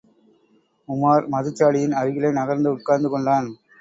உமார், மதுச்சாடியின் அருகிலே நகர்ந்து உட்கார்ந்து கொண்டான்.